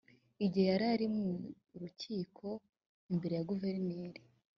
igihe yari mu rukiko imbere ya guverineri